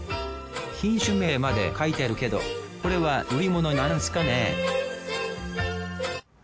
品種名まで書いてるけどこれは売り物なんすかね？